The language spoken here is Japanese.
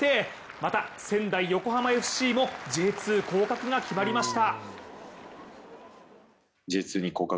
また、仙台、横浜ＦＣもＪ２降格が決まりました。